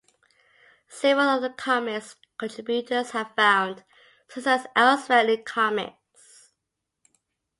Several of the comic's contributors have found success elsewhere in comics.